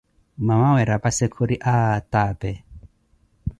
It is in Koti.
Mamawe rapassi khuri aaah tápeh.